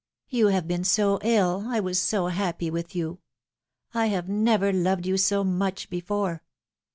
You have been so ill, I was so happy with you ! I have never loved you so much before!"